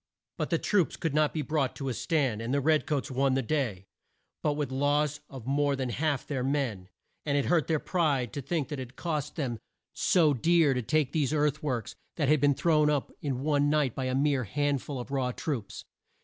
But the troops could not be brought to a stand, and the red coats won the day, but with the loss of more than half of their men. And it hurt their pride to think that it had cost them so dear to take these earth works that had been thrown up in one night by a mere hand ful of raw troops.